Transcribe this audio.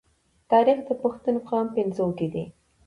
تاریخ د پښتون قام پنځونکی دی.